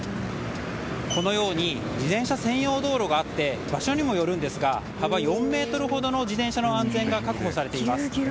このように自転車専用道路があって場所にもよるんですが幅４ｍほどで自転車の安全が確保されています。